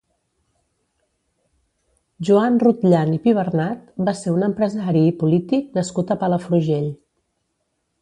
Joan Rutllant i Pibernat va ser un empresari i polític nascut a Palafrugell.